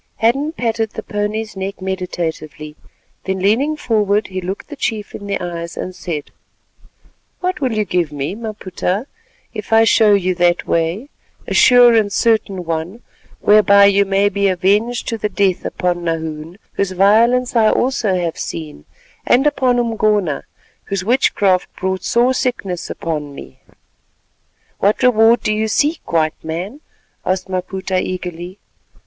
Hadden patted the pony's neck meditatively, then leaning forward, he looked the chief in the eyes and said:— "What will you give me, Maputa, if I show you that way, a sure and certain one, whereby you may be avenged to the death upon Nahoon, whose violence I also have seen, and upon Umgona, whose witchcraft brought sore sickness upon me?" "What reward do you seek, White Man?" asked Maputa eagerly.